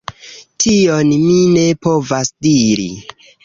Tion mi ne povas diri.